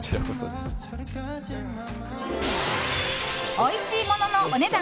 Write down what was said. おいしいもののお値段